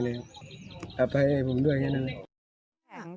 ไม่เลยอัพให้ผมด้วยแค่นั้น